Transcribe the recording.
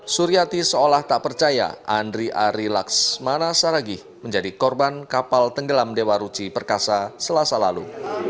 suryati seolah tak percaya andri ari laksmana saragih menjadi korban kapal tenggelam dewa ruci perkasa selasa lalu